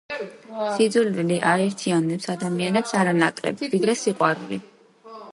სიძულვილი აერთიანებს ადამიანებს არანაკლებ, ვიდრე სიყვარული.